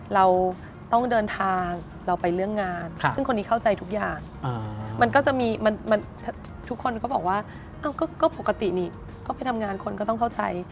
เราต้องเดินทางเราไปเรื่องงานซึ่งคนนี้เข้าใจทุกอย่างมันก็จะมีมันทุกคนก็บอกว่าก็ปกตินี่ก็ไปทำงานคนก็ต้องเข้าใจ